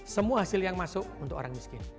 semua hasil yang masuk untuk orang miskin